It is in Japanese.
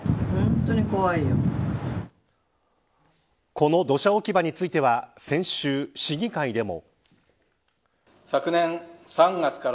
この土砂置き場については先週、市議会でも。